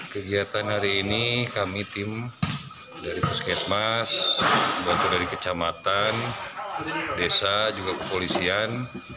kegiatan hari ini kami tim dari puskesmas bantu dari kecamatan desa juga kepolisian